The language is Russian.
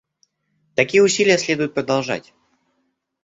Такие усилия следует продолжать.